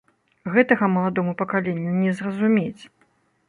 Гэтага маладому пакаленню не зразумець.